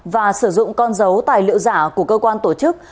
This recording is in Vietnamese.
và sử dụng con dấu tài liệu giả của cơ quan tổ chức